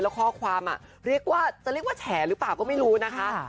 และข้อความละจะเรียกว่าแฉรึเปล่าก็ไม่รู้นะคะ